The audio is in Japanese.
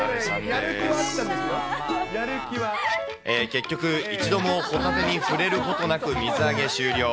結局、一度もホタテに触れることなく水揚げ終了。